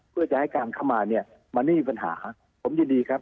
เพื่อจะให้การเข้ามาเนี่ยมันไม่มีปัญหาผมยินดีครับ